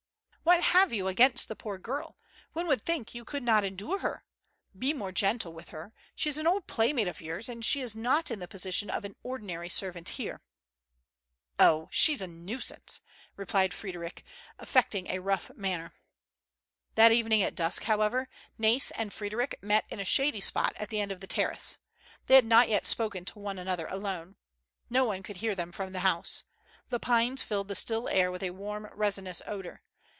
'' What have you against the poor girl? One would think that you could not endure her. Be more gentle with her. She is an old playmate of yours, and she is not in the position of an ordinary servant here.'' " Oh, she's a nuisance I " replied Frederic, affecting a rough manner. That evening at dusk, however, Nais and Fr^d^ric met in a shady spot at the end of tlie terrace. They had not yet spoken to one another alone. No one could hear them from the house. The pines filled the still air with a warm resinous odor.